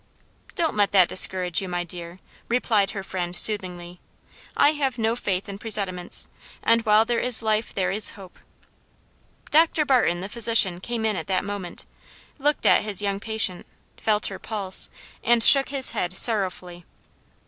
"Don't let that discourage you, my dear," replied her friend soothingly. "I have no faith in presentiments, and while there is life there is hope." Dr. Barton, the physician, came in at that moment, looked at his young patient, felt her pulse, and shook his head sorrowfully.